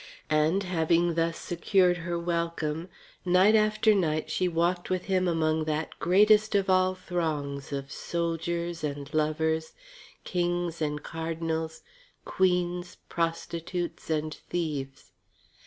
And, having thus secured her welcome, night after night she walked with him among that greatest of all throngs of soldiers and lovers, kings and cardinals, queens, prostitutes and thieves.